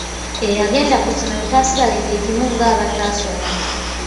Eyagenda ku ssomero taasigale kye kimu ng’abataasoma.